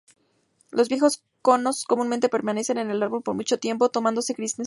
Los viejos conos comúnmente permanecen en el árbol por muchos años, tornándose gris negruzco.